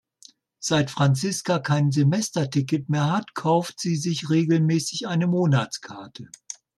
Seit Franziska kein Semesterticket mehr hat, kauft sie sich regelmäßig eine Monatskarte.